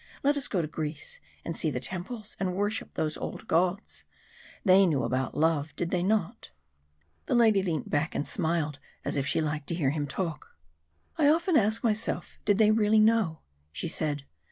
Let us go to Greece, and see the temples and worship those old gods. They knew about love, did they not?" The lady leant back and smiled, as if she liked to hear him talk. "I often ask myself did they really know," she said.